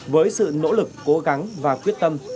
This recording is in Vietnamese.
với sự nỗ lực cố gắng và quyết tâm